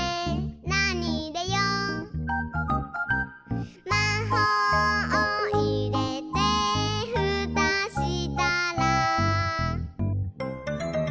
「なにいれよう？」「まほうをいれてふたしたら」